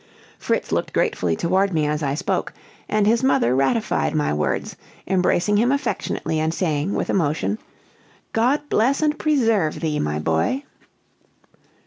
Fritz looked gratefully toward me as I spoke; and his mother ratified my words, embracing him affectionately, and saying, with emotion, "God bless and preserve thee, my boy!"